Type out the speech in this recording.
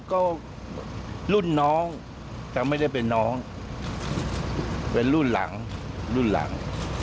ก็รุ่นน้องแต่ไม่ได้เป็นน้องเป็นรุ่นหลังรุ่นหลัง